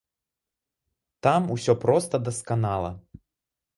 Там усё проста дасканала.